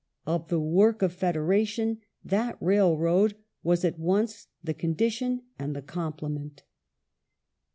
Of the work of federation that railroad was at once the condition and the complement.